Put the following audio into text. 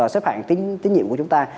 xếp hạng tính nhiệm của chúng ta